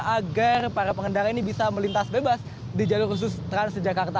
agar para pengendara ini bisa melintas bebas di jalur khusus transjakarta